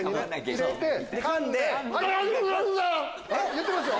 言ってますよ。